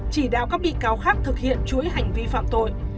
chỉ đạo các bị cáo khác thực hiện chuỗi hành vi phạm tội